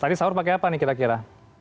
tadi sahur pakai apa nih kira kira